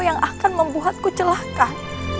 yang akan membuatku celahkan